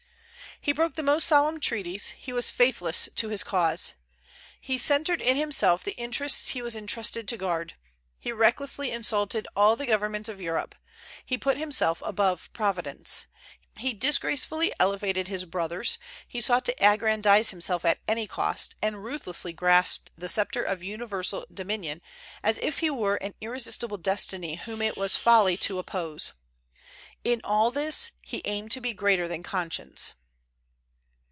He broke the most solemn treaties; he was faithless to his cause; he centred in himself the interests he was intrusted to guard; he recklessly insulted all the governments of Europe; he put himself above Providence; he disgracefully elevated his brothers; he sought to aggrandize himself at any cost, and ruthlessly grasped the sceptre of universal dominion as if he were an irresistible destiny whom it was folly to oppose, In all this he aimed to be greater than conscience.